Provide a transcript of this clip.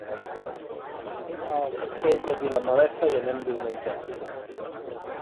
A el Castell de Vilamalefa hi anem diumenge.